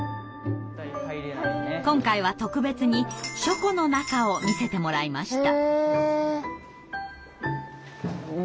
今回は特別に書庫の中を見せてもらいました。